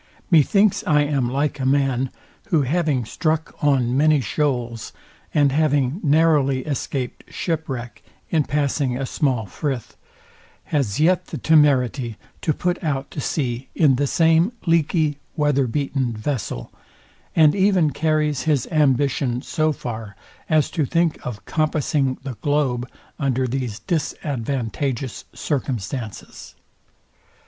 Methinks I am like a man, who having struck on many shoals, and having narrowly escaped shipwreck in passing a small frith, has yet the temerity to put out to sea in the same leaky weather beaten vessel, and even carries his ambition so far as to think of compassing the globe under these disadvantageous circumstances.